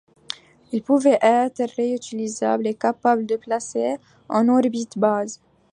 Il pouvait être réutilisable et capable de placer en orbite basse.